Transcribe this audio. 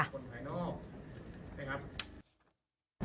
ครับครับ